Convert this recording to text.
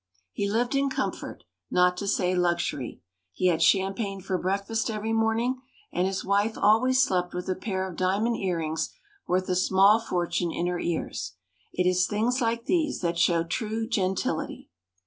He lived in comfort, not to say luxury. He had champagne for breakfast every morning, and his wife always slept with a pair of diamond earrings worth a small fortune in her ears. It is things like these that show true gentility.